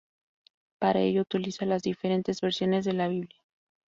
Para ello utiliza las diferentes versiones de la Biblia.